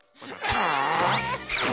はあ。